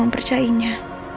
aku tak mau percainya